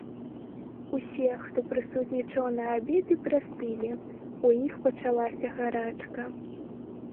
Усе, хто прысутнічаў на абедзе прастылі, у іх пачалася гарачка.